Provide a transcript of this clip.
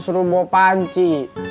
suruh bawa panci